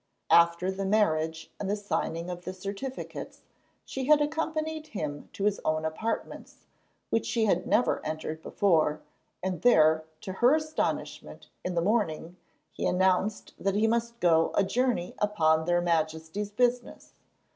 After the marriage and the signing of the certificates she had accompanied him to his own apartments, which she had never entered before, and there, to her astonishment, in the morning, he announced that he must go a journey upon their Majesties' business.